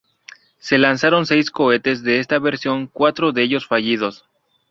Se lanzaron seis cohetes de esta versión, cuatro de ellos fallidos.